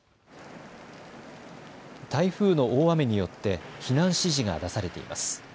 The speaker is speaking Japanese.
台風の大雨によって避難指示が出されています。